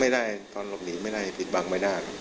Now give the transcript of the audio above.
ไม่ได้ตอนลบหนีไม่ได้ผิดบังไม่ได้